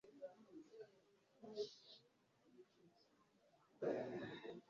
Kugira ngo yumve avuga icyongereza wamujyana kubavuga kavukire